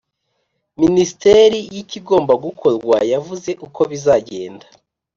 Minisiteri y ikigomba gukorwa yavuze uko bizagenda